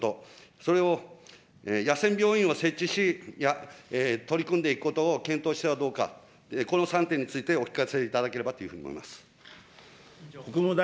それを野戦病院を設置し、取り組んでいくことを検討してはどうか、この３点についてお聞かせいただければというふうに思います。